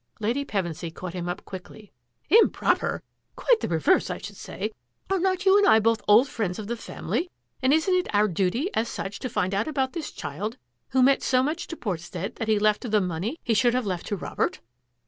Lady Pevensy caught him up quickly. " Im proper ! Quite the reverse, I should say. Are not you and I both old friends of the family, and isn't it our duty as such to find out about this child who meant so much to Portstead that he left her the money he should have left to Robert?